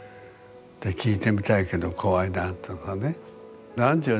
聞いてみたいけど怖いな」とかね。